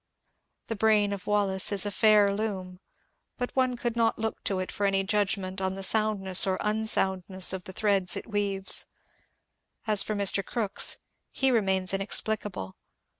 The brain of Wallace is a fair loom, but one MB. CBOOE£S AND SPIBITISM 366 oould not look to it for any judgment on the soundness or unsoundness of the threads it weaves. As for Mr. Crookes, he remains inexplicable.